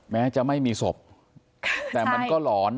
แม้จะไม่มีศพแต่มันก็หลอน